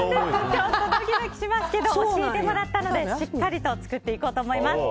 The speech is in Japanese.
ちょっとドキドキしますけど教えてもらったのでしっかりと作っていこうと思います。